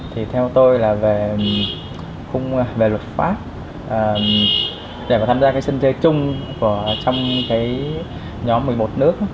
thì theo tôi là về luật pháp để mà tham gia cái sinh chế chung trong cái nhóm một mươi một nước